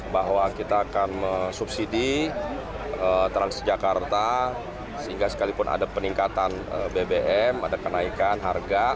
bahwa kita akan subsidi transjakarta sehingga sekalipun ada peningkatan bbm ada kenaikan harga